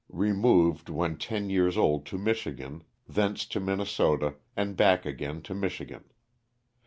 Removed, when ten years old to Michigan, thence to Minnesota, and bacji again to Michigan.